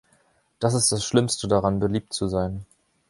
Das ist das Schlimmste daran, beliebt zu sein.